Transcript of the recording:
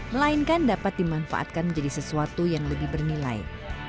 melainkan dapat dimanfaatkan menjadi sesuatu yang lebih bernilai